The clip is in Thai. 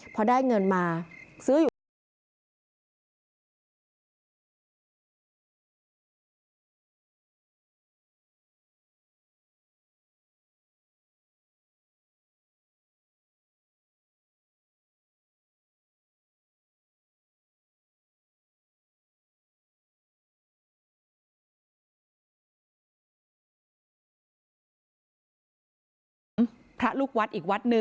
พอได้เงินมาซื้ออยู่กัน